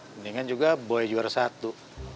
mendingan juga boy juara satu